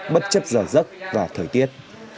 bất chấp giờ giấc và thời tiết